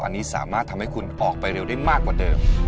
อันนี้สามารถทำให้คุณออกไปเร็วได้มากกว่าเดิม